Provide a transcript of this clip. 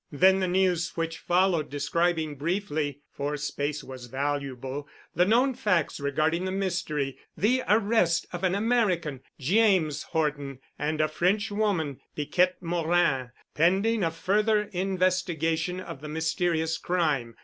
Then the news which followed, describing briefly (for space was valuable) the known facts regarding the mystery, the arrest of an American, James Horton, and a French woman, Piquette Morin, pending a further investigation of the mysterious crime.